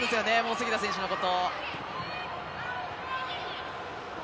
杉田選手のこと。